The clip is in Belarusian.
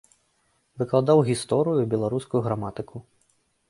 Выкладаў гісторыю і беларускую граматыку.